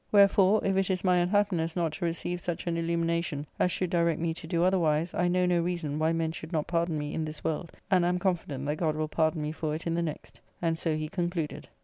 Wherefore, if it is my unhappiness not to receive such an illumination as should direct me to do otherwise, I know no reason why men should not pardon me in this world, and am confident that God will pardon me for it in the next." And so he concluded.